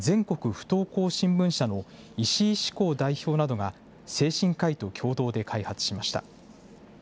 不登校新聞社の石井しこう代表などが精神科医と共同で開発しました。